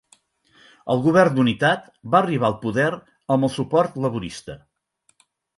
El Govern d'Unitat va arribar al poder amb el suport laborista.